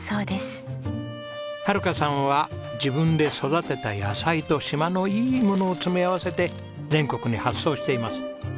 はるかさんは自分で育てた野菜と島のいいものを詰め合わせて全国に発送しています。